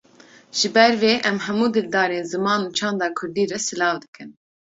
Ji ber vê em hemû dildarên ziman û çanda Kurdî re silav dikin.